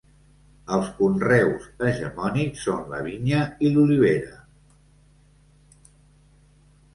Els conreus hegemònics són la vinya i l’olivera.